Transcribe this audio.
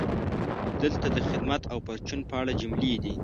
دلته د "خدمت او پرچون" په اړه جملې دي: